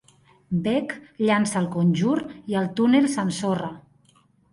Bec llança el conjur i el túnel s'ensorra.